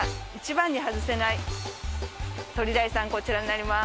こちらになります。